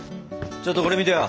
ちょっとこれ見てよ！